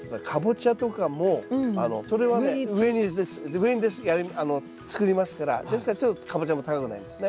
上に作りますからですからちょっとカボチャも高くなりますね。